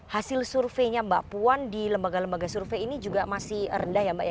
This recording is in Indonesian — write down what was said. hasil surveinya mbak puan di lembaga lembaga survei ini juga masih rendah ya mbak ya